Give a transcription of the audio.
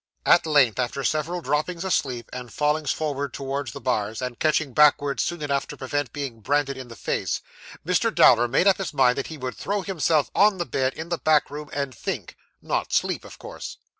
At length, after several droppings asleep, and fallings forward towards the bars, and catchings backward soon enough to prevent being branded in the face, Mr. Dowler made up his mind that he would throw himself on the bed in the back room and think not sleep, of course.